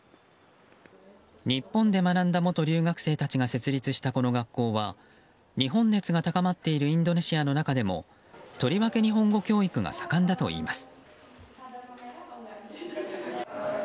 日本で学んだ元留学生たちが設立した、この学校は日本熱が高まっているインドネシアの中でもとりわけ日本語教育が盛んだといいます。